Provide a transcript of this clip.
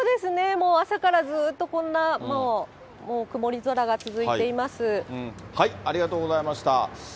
もう朝からずっとこんな、ありがとうございました。